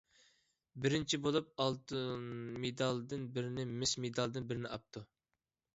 بىرىنچى بولۇپ، ئالتۇن مېدالدىن بىرنى، مىس مېدالدىن بىرنى ئاپتۇ.